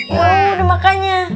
ayo udah makannya